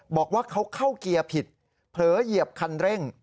บอกว่าเขาเข้าเกียร์ผิดเผลอเหยียบคันเร่ง